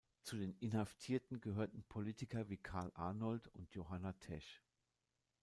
Zu den Inhaftierten gehörten Politiker wie Karl Arnold und Johanna Tesch.